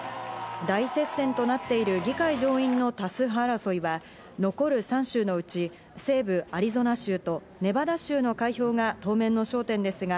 大接戦となっている議会上院の多数派争いは残る３州のうち、西部アリゾナ州とネバダ州の開票が当面の焦点ですが、